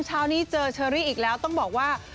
เช้านี้เจอเชอรี่อีกแล้วต้องบอกว่า